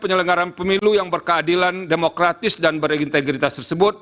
yang berkeadilan demokratis dan berintegritas